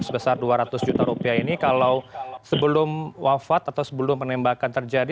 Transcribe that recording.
sebesar dua ratus juta rupiah ini kalau sebelum wafat atau sebelum penembakan terjadi